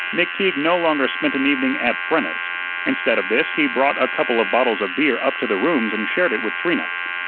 McTeague no longer spent an evening at Frenna's. Instead of this he brought a couple of bottles of beer up to the rooms and shared it with Trina.